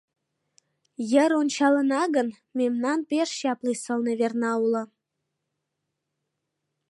Йыр ончалына гын, мемнан пеш чапле сылне верна уло.